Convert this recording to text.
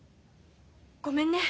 ごめんね。